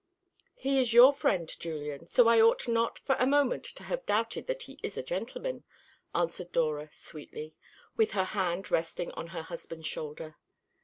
"He is your friend, Julian, so I ought not for a moment to have doubted that he is a gentleman," answered Dora sweetly, with her hand resting on her husband's shoulder.